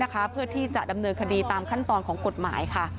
เพื่อที่จะดำเนินคดีตามขั้นตอนของกฎหมายค่ะ